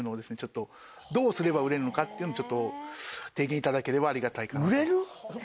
どうすれば売れるのかっていうのを提言頂ければありがたいかな。